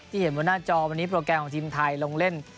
เห็นบนหน้าจอวันนี้โปรแกรมของทีมไทยลงเล่น